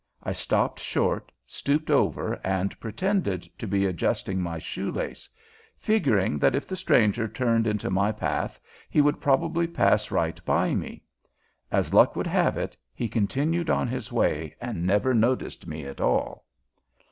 I stopped short, stooped over, and pretended to be adjusting my shoe lace, figuring that if the stranger turned into my path he would probably pass right by me. As luck would have it, he continued on his way and never noticed me at all.